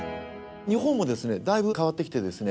日本もですねだいぶ変わってきてですね